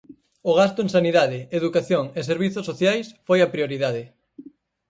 O gasto en sanidade, educación e servizos sociais foi a prioridade.